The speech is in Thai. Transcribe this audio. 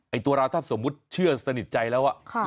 ตัวเราถ้าสมมุติเชื่อสนิทใจแล้ว